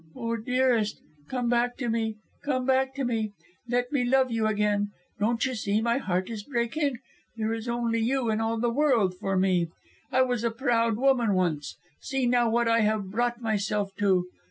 "Oh, dearest, come back to me; come back to me. Let me love you again. Don't you see my heart is breaking? There is only you in all the world for me. I was a proud woman once. See now what I have brought myself to.